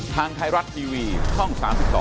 ทางไทยรัฐทีวีช่อง๓๒